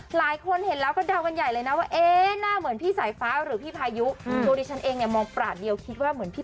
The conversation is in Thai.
หลายคนเห็นแล้วก็เดากันใหญ่เลยนะว่าเอ๊หน้าเหมือนพี่สายฟ้าหรือพี่พายุ